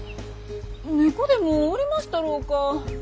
猫でもおりましたろうか？